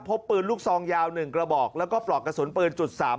พบปืนลูกซองยาว๑กระบอกแล้วก็ปลอกกระสุนปืน๓๘